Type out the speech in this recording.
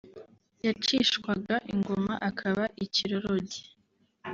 yacishwaga ingoma akaba ikiroroge